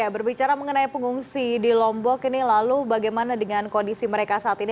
berbicara mengenai pengungsi di lombok ini lalu bagaimana dengan kondisi mereka saat ini